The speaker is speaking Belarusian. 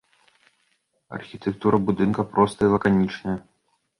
Архітэктура будынка простая і лаканічная.